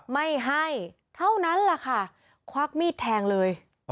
ไม่ให้เท่านั้นแหละค่ะควักมีดแทงเลย